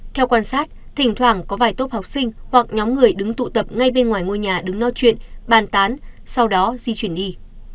theo quan sát thỉnh thoảng có vài tốp học sinh hoặc nhóm người đứng tụ tập ngay bên ngoài ngôi nhà đứng nói chuyện bàn tán sau đó di chuyển đi